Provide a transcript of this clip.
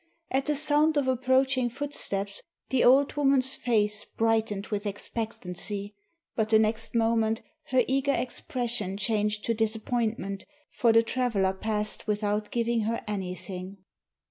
At the sound of approaching footsteps the old woman's face brightened with expectancy, but the next moment her eager expression changed to disappointment, for the traveler passed without giving her anything.